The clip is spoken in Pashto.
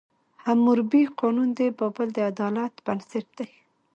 حموربي قانون د بابل د عدالت بنسټ و.